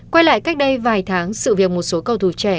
quay lại cách đây vài tháng sự việc một số cầu thủ trẻ